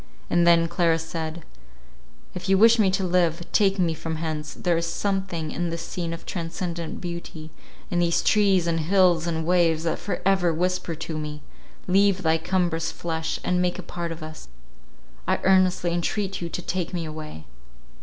And then Clara said, "If you wish me to live, take me from hence. There is something in this scene of transcendent beauty, in these trees, and hills and waves, that for ever whisper to me, leave thy cumbrous flesh, and make a part of us. I earnestly entreat you to take me away."